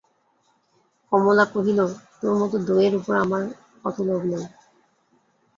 কমলা কহিল, তোর মতো দইয়ের উপর আমার অত লোভ নাই।